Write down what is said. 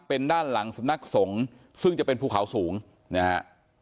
เป็นด้านหลังสำนักสงฆ์ซึ่งจะเป็นภูเขาสูงนะฮะ